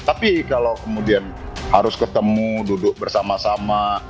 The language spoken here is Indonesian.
tapi kalau kemudian harus ketemu duduk bersama sama